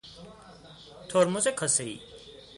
ترمز کاسهای